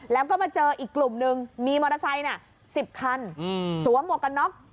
แล้วก็มาเจออีกกลุ่มนึงมีมอเตอร์ไซค์๑๐คันสวมหมวกกันน็อก